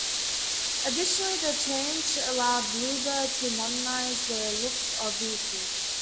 Additionally, the change allowed Blue Bird to modernize the looks of vehicle.